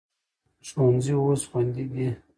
ښوونځي اوس خوندي دي.